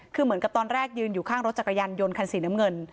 คือเหมือนกับตอนแรกยืนอยู่ข้างรถจักรยานยนต์คันสีน้ำเงิน